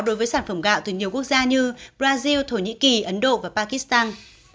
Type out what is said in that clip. đối với sản phẩm gạo từ nhiều quốc gia như brazil thổ nhĩ kỳ ấn độ và pakistan